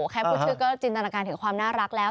แค่พูดชื่อก็จินตนาการถึงความน่ารักแล้ว